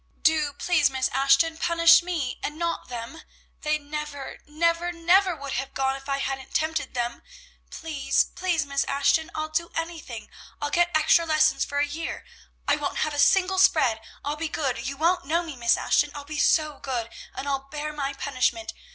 Do, please, Miss Ashton, punish me, and not them! They never, never, never would have gone if I hadn't tempted them. Please, please, Miss Ashton! I'll do anything; I'll get extra lessons for a year! I won't have a single spread; I'll be good; you won't know me, Miss Ashton, I'll be so good; and I'll bear any punishment.